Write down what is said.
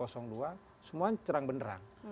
semua cerang beneran